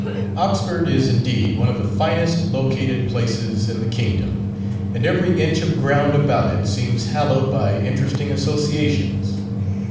Oxford is indeed one of the finest located places in the kingdom, and every inch of ground about it seems hallowed by interesting associations.